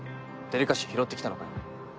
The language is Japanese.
デリカシー拾ってきたのかよ？